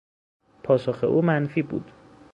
پاسخ او منفی بود.